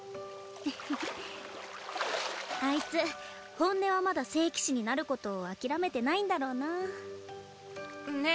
フフフあいつ本音はまだ聖騎士になることを諦めてないんだろうなねえ